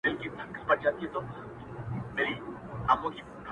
• شاهینان وه چي کوترې یې خوړلې,